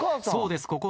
そうです